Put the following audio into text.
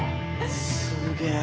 すげえ。